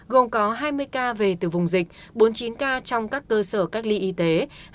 gồm có hai mươi ca về từ vùng dịch bốn mươi chín ca trong các cơ sở cách ly y tế